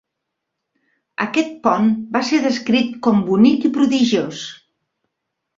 Aquest pont va ser descrit com bonic i prodigiós.